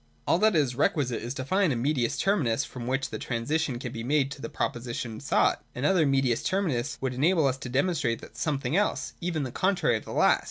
All that is requisite is to find a medins terminus from which the transition can be made to the proposition sought. An other niedius terminus would enable us to demonstrate something else, and even the contrary of the last.